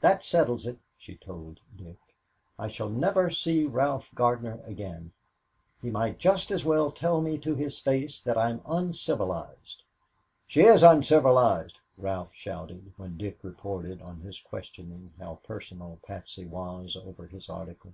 "That settles it," she told Dick. "I shall never see Ralph Gardner again. He might just as well tell me to my face that I'm uncivilized." "She is uncivilized," Ralph shouted when Dick reported on his questioning how personal Patsy was over his article.